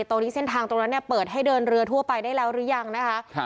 ตรงนี้เส้นทางตรงนั้นเนี่ยเปิดให้เดินเรือทั่วไปได้แล้วหรือยังนะคะ